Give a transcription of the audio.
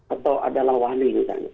atau adalah wali misalnya